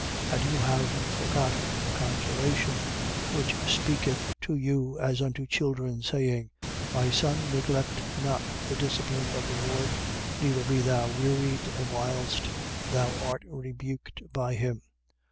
12:5. And you have forgotten the consolation which speaketh to you, as unto children, saying: My son, neglect not the discipline of the Lord: neither be thou wearied whilst thou art rebuked by him.